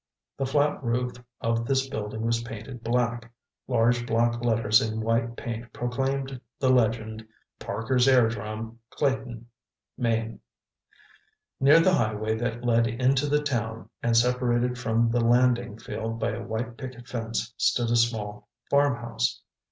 The flat roof of this building was painted black. Large block letters in white paint proclaimed the legend PARKER'S AIRDROME CLAYTON ME. Near the highway that led into the town, and separated from the landing field by a white picket fence, stood a small farmhouse.